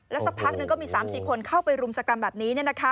สักพักหนึ่งก็มี๓๔คนเข้าไปรุมสกรรมแบบนี้